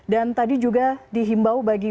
dan tadi juga dihimbau bagi